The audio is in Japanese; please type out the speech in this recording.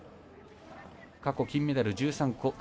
過去金メダル１３個